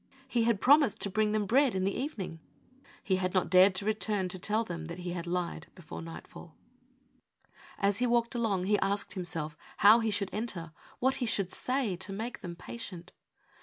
He had promised to bring them bread in the even ing. He had not dared to return to tell them he had lied before nightfall. As he walked along he asked him self how he should enter, what he should say to make them patient.